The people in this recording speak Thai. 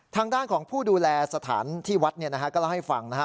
ทางด้านของผู้ดูแลสถานที่วัดเนี่ยนะฮะก็เล่าให้ฟังนะฮะ